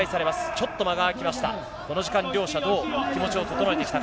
ちょっと間が空きました。